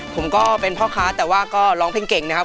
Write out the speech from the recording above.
ผมก็เป็นพ่อค้าแต่ว่าก็ร้องเพลงเก่งนะครับ